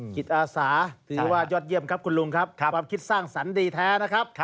จิตอาสาถือว่ายอดเยี่ยมครับคุณลุงครับความคิดสร้างสรรค์ดีแท้นะครับ